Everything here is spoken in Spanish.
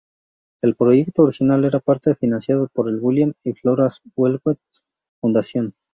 El proyecto original era parte -financiado por el William y Flora Hewlett Fundación.